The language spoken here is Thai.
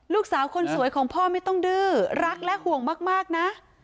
ลูกสาวคนสวยของพ่อไม่ต้องดื้อรักและห่วงมากนะ